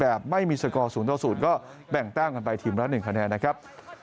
แบบไม่มีสก๐๐ก็แบ่งตั้งกันไปทีมละ๑คะแนนนะครับ